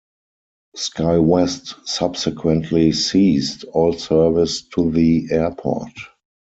SkyWest subsequently ceased all service to the airport.